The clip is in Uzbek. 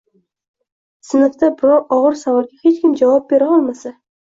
sinfda biror og‘ir savolga hech kim javob bera olmasa